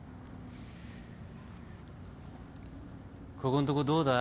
ここんとこどうだ？